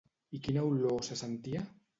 I quina olor se sentia?